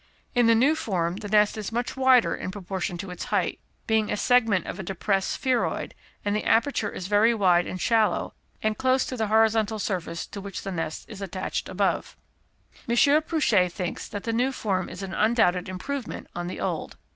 In the new form the nest is much wider in proportion to its height, being a segment of a depressed spheroid, and the aperture is very wide and shallow, and close to the horizontal surface to which the nest is attached above. M. Pouchet thinks that the new form is an undoubted improvement on the old.